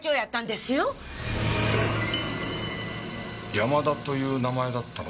山田という名前だったのでは？